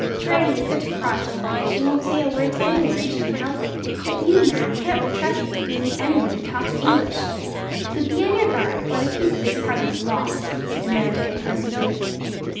Granny is such a cross old dear she won't say a word to any one if she can help it; but you, Mat, can't be trusted if we meet any one who talks English. So be on your guard, or the peace of this party is lost,' said Amanda, impressively.